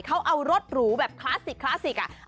เขาเอารถหรูแบบคลาสสิกอ่ะ